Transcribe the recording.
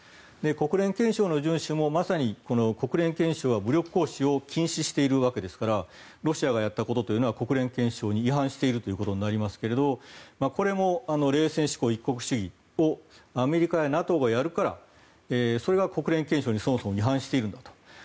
国連憲章の順守もまさに国連憲章は武力行使を禁止しているわけですからロシアがやったことというのは国連憲章に違反していることになりますけどこれも冷戦思考、一国主義をアメリカやＮＡＴＯがやるからそれが国連憲章にそもそも違反しているんだと。